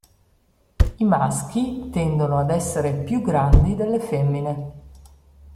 I maschi tendono ad essere più grandi delle femmine.